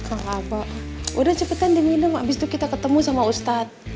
enggak apa apa udah cepetan di minum abis itu kita ketemu sama ustadz